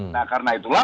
nah karena itulah